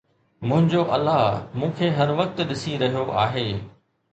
منهنجو الله مون کي هر وقت ڏسي رهيو آهي